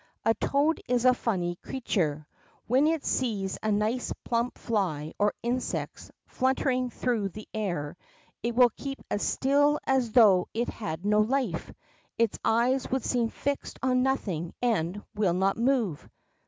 A toad is a funny creature. When it sees a nice plump fly or insect fluttering through the air, it will keep as still as though it had no life, its eyes will seem flxed on nothing and will not move.